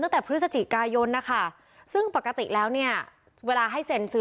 ตั้งแต่พฤศจิกายนนะคะซึ่งปกติแล้วเนี่ยเวลาให้เซ็นซื้อ